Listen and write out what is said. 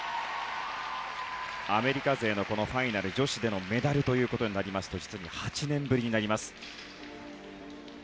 アメリカ勢のファイナル女子でのメダルとなりますと実に８年ぶりになります。